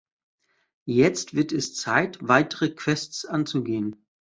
Jetzt wird es Zeit, weitere Quests anzugehen.